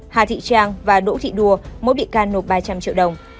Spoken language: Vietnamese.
hà thị trang và đỗ thị đua mỗi bị can nộp ba trăm linh triệu đồng